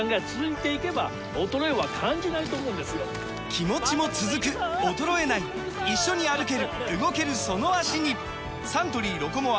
気持ちも続く衰えない一緒に歩ける動けるその脚にサントリー「ロコモア」！